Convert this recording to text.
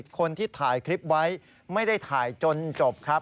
คนที่ถ่ายคลิปไว้ไม่ได้ถ่ายจนจบครับ